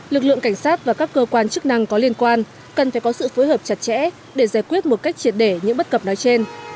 lực lượng cảnh sát và các cơ quan chức năng có liên quan cần phải có sự phối hợp chặt chẽ để giải quyết một cách triệt để những bất cập nói trên